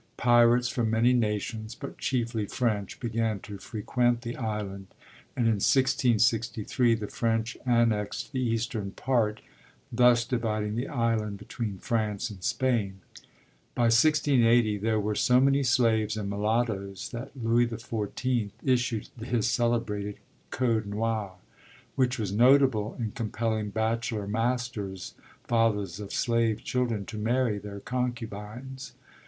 Pirates from many nations, but chiefly French, began to frequent the island, and in 1663 the French annexed the eastern part, thus dividing the island between France and Spain. By 1680 there were so many slaves and mulattoes that Louis XIV issued his celebrated Code Noir, which was notable in compelling bachelor masters, fathers of slave children, to marry their concubines.